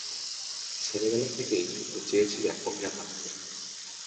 ছেলেবেলা থেকেই নীল চেয়েছিলেন অভিনেতা হতে।